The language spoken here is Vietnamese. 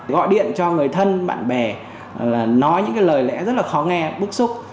gọi điện cho người thân bạn bè nói những lời lẽ rất khó nghe bức xúc